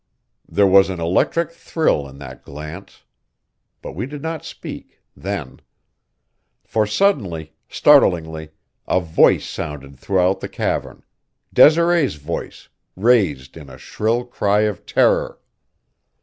There was an electric thrill in that glance. But we did not speak then. For suddenly, startlingly, a voice sounded throughout the cavern Desiree's voice, raised in a shrill cry of terror.